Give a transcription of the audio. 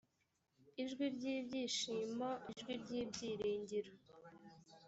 ijwi ry’ibyishimo ijwi ry’ibyiringiro